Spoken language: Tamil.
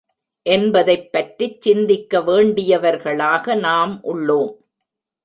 என்பதைப் பற்றிச் சிந்திக்க வேண்டியவர்களாக நாம் உள்ளோம்.